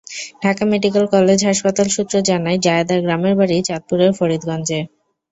Dhaka medical college হাসপাতাল সূত্র জানায়, জায়েদার গ্রামের বাড়ি চাঁদপুরের ফরিদগঞ্জে।